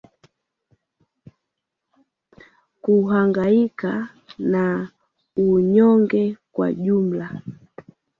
Kuhangaika na unyonge kwa jumla